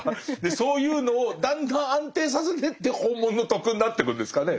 そういうのをだんだん安定させてって本物の「徳」になってくんですかね。